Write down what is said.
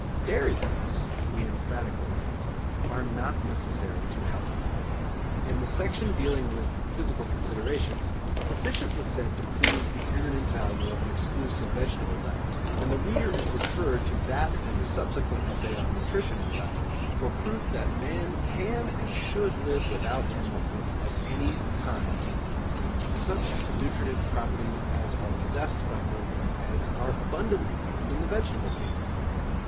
Dairy foods, we emphatically affirm, are not necessary to health. In the section dealing with 'Physical Considerations' sufficient was said to prove the eminent value of an exclusive vegetable diet, and the reader is referred to that and the subsequent essay on Nutrition and Diet for proof that man can and should live without animal food of any kind. Such nutritive properties as are possessed by milk and eggs are abundantly found in the vegetable kingdom.